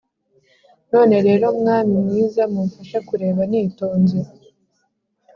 none rero, mwami mwiza, mumfashe kureba nitonze